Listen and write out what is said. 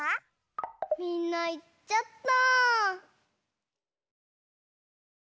みんないっちゃった。